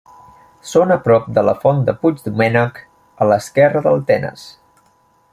Són a prop de la Font de Puigdomènec, a l'esquerra del Tenes.